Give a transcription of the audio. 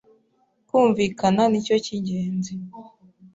kumvikana nicyo cyingenzi